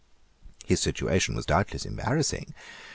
His situation was doubtless embarrassing.